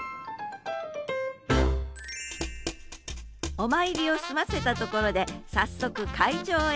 お参りを済ませたところで早速会場へ。